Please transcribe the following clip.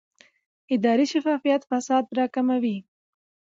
اداري شفافیت فساد راکموي